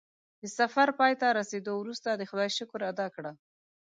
د سفر پای ته رسېدو وروسته د خدای شکر ادا کړه.